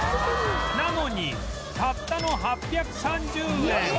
なのにたったの８３０円